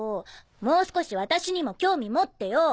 もう少し私にも興味持ってよ。